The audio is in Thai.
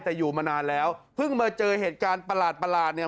แต่อยู่มานานแล้วเพิ่งมาเจอเหตุการณ์ประหลาดเนี่ย